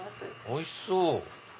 おいしそう！